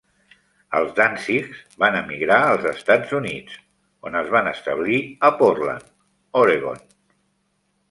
Els Dantzigs van emigrar als Estats Units, on es van establir a Portland, Oregon.